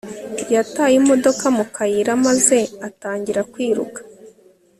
yataye imodoka mu kayira maze atangira kwiruka